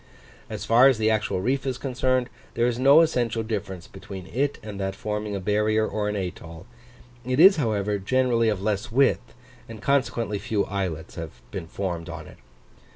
As far as the actual reef is concerned, there is no essential difference between it and that forming a barrier or an atoll: it is, however, generally of less width, and consequently few islets have been formed on it.